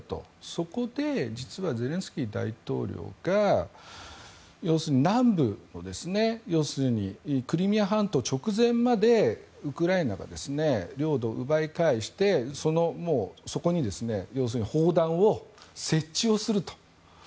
そこで実はゼレンスキー大統領が要するに南部クリミア半島直前までウクライナが領土を奪い返してそこに要するに砲弾を設置をすると。